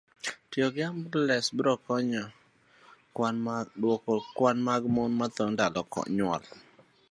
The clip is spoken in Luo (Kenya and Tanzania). Tiyo gi ambulans biro konyo dwoko piny kwan mag mon mathoo e kinde nyuol.